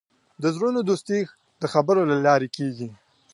د زړونو دوستي د خبرو له لارې کېږي.